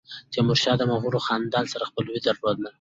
تیمورشاه د مغولو خاندان سره خپلوي درلوده.